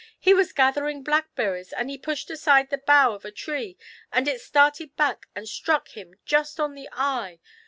" He was gathering blackberries, and he pushed aside the bough of a tree, and it started back and struck him just on the eye.